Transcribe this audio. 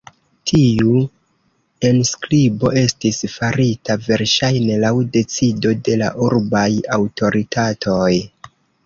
Tiu enskribo estis farita verŝajne laŭ decido de la urbaj aŭtoritatoj.